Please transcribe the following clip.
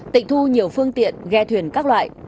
tịnh thu nhiều phương tiện ghe thuyền các loại